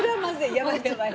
やばいやばい。